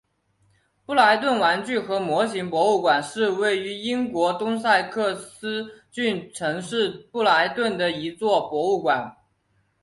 布莱顿玩具和模型博物馆是位于英国东萨塞克斯郡城市布莱顿的一座博物馆。